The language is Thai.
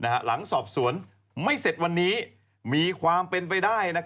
หลังสอบสวนไม่เสร็จวันนี้มีความเป็นไปได้